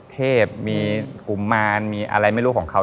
เทพมีกุมารมีอะไรไม่รู้ของเขา